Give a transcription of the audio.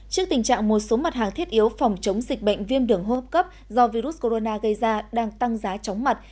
trước tình trạng một số mặt hàng thiết yếu phòng chống dịch bệnh viêm đường hô hấp cấp do virus corona gây ra đang tăng giá chóng mặt